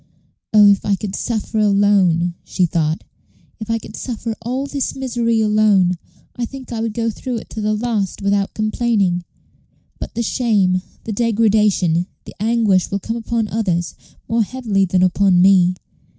"Oh, if I could suffer alone," she thought "if I could suffer all this misery alone, I think I would go through it to the last without complaining; but the shame, the degradation, the anguish will come upon others more heavily than upon me.